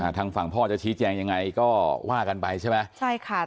ทางฝั่งพ่อจะชี้แจงยังไงก็ว่ากันไปใช่ไหมใช่ค่ะ